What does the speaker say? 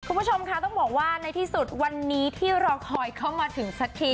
คุณผู้ชมค่ะต้องบอกว่าในที่สุดวันนี้ที่รอคอยเข้ามาถึงสักที